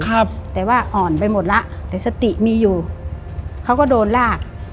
ครับแต่ว่าอ่อนไปหมดแล้วแต่สติมีอยู่เขาก็โดนลาก